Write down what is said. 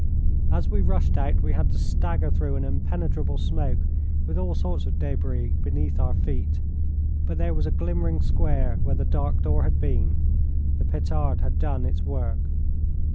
As we rushed out we had to stagger through an impenetrable smoke, with all sorts of débris beneath our feet, but there was a glimmering square where the dark door had been. The petard had done its work.